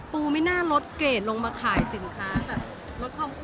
ปูไม่น่าลดเกรดลงมาขายสินค้าแบบลดความอ้วนเลย